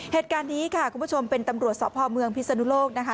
เหตุการณ์นี้ค่ะคุณผู้ชมเป็นตำรวจสพเมืองพิศนุโลกนะคะ